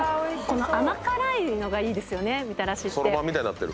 甘辛いのがいいですよねみたらしって。